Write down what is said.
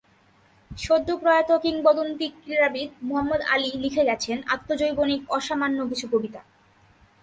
সদ্যপ্রয়াত কিংবদন্তি ক্রীড়াবিদ মোহাম্মদ আলী লিখে গেছেন আত্মজৈবনিক অসামান্য কিছু কবিতা।